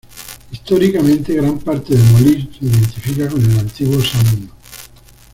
Históricamente, gran parte de Molise se identifica con el antiguo Samnio.